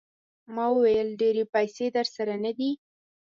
ما وویل ډېرې پیسې درسره نه دي.